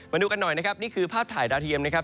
มาดูกันหน่อยนะครับนี่คือภาพถ่ายดาวเทียมนะครับ